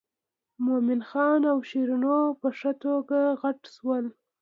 مومن خان او شیرینو په ښه توګه غټ شول.